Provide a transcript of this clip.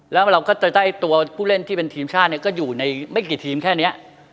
แล้วเราก็จะได้ตัวผู้เล่นที่เป็นทีมชาติเนี่ยก็อยู่ในไม่กี่ทีมแค่นี้